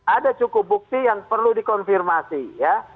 ada cukup bukti yang perlu dikonfirmasi ya